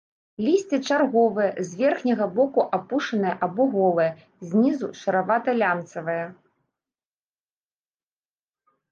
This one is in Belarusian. Лісце чарговае, з верхняга боку апушанае або голае, знізу шаравата-лямцавае.